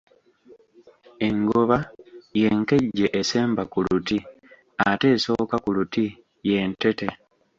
Engoba y’enkejje esemba ku luti, ate esooka ku luti y'entete.